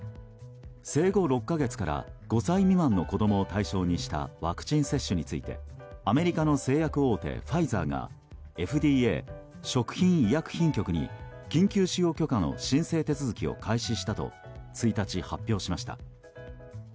生後６か月から５歳未満の子供を対象にしたワクチン接種についてアメリカの製薬大手ファイザーがＦＤＡ・食品医薬品局に緊急使用許可の申請手続きを開始したと１日、発表しました。